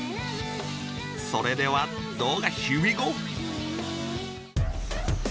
それでは動画ヒウィゴー。